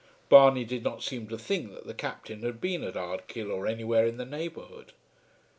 Barney did not seem to think that the Captain had been at Ardkill or anywhere in the neighbourhood.